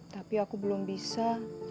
tapi aku belum bisa